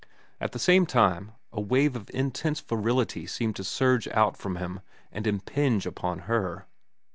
At the same time a wave of intense virility seemed to surge out from him and impinge upon her.